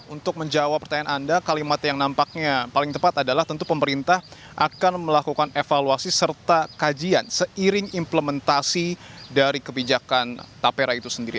untuk menjawab pertanyaan anda kalimat yang nampaknya paling tepat adalah tentu pemerintah akan melakukan evaluasi serta kajian seiring implementasi dari kebijakan tapera itu sendiri